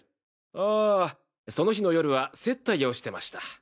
ああその日の夜は接待をしてました。